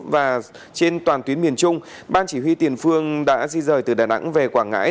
và trên toàn tuyến miền trung ban chỉ huy tiền phương đã di rời từ đà nẵng về quảng ngãi